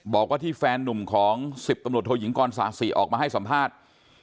บอกว่าที่แฟนนุ่มของ๑๐ตำรวจโทยิงกรศาสิออกมาให้สัมภาษณ์